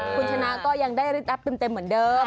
คุณชนะก็ยังได้ริดอัพเต็มเหมือนเดิม